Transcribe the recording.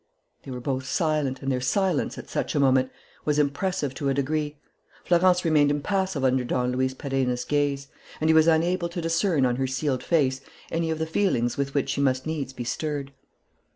They were both silent; and their silence, at such a moment, was impressive to a degree. Florence remained impassive under Don Luis Perenna's gaze; and he was unable to discern on her sealed face any of the feelings with which she must needs be stirred.